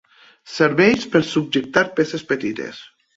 Serveix per subjectar peces petites.